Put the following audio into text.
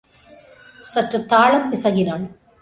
சற்றுத் தாளம் பிசகினாள்.